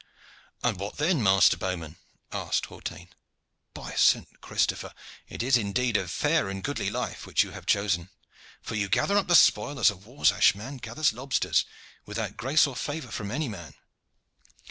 "And what then, master bowman?" asked Hawtayne. "By St. Christopher! it is indeed a fair and goodly life which you have chosen, for you gather up the spoil as a Warsash man gathers lobsters, without grace or favor from any man."